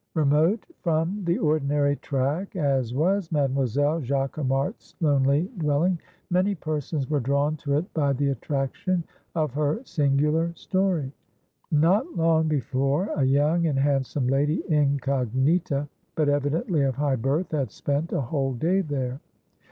Remote from the ordinary track as was Mademoiselle Jacquemart's lonely dwelling, many persons were drawn to it by the attraction of her singular story. Not long before, a young and handsome lady, incognita, but evidently of high birth, had spent a whole day there.